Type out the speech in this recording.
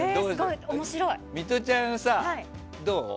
ミトちゃん、どう？